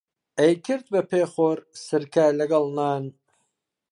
ئەیکرد بە پێخۆر سرکە لەگەڵ نان